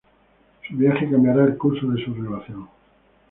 Su viaje cambiará el curso de su relación.